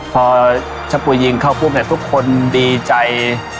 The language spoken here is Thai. พอชักกูยิงเข้าภูมิเนี่ยทุกคนดีใจ